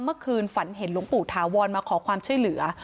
เมื่อคืนฝันเห็นหลวงปู่ถาวรมาขอความช่วยเหลือ